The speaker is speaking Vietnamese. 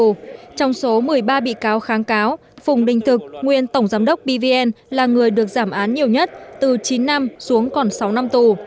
trong số một mươi ba bị cáo kháng cáo phùng đinh thực nguyên tổng giám đốc pvn là người được giảm án nhiều nhất